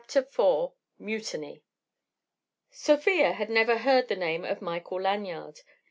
3 IV MUTINY Sofia had never heard the name of Michael Lanyard.